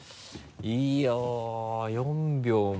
いや４秒も。